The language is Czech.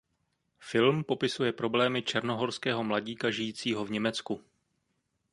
Film popisuje problémy černohorského mladíka žijícího v Německu.